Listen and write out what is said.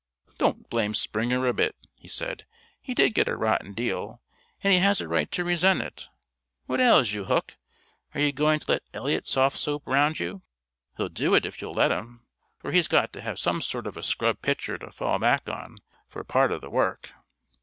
"Don't blame Springer a bit," he said. "He did get a rotten deal, and he has a right to resent it. What ails you, Hook; are you going to let Eliot softsoap round you? He'll do it if you'll let him, for he's got to have some sort of a scrub pitcher to fall back on for part of the work.